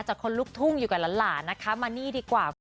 คนลุกทุ่งอยู่กับหลานนะคะมานี่ดีกว่าคุณ